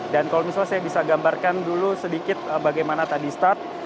kalau misalnya saya bisa gambarkan dulu sedikit bagaimana tadi start